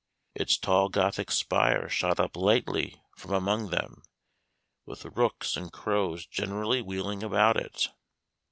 Its tall Gothic spire shot up lightly from among them, with rooks and crows generally wheeling about it.